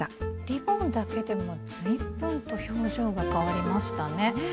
リボンだけでも随分と表情がかわりましたね。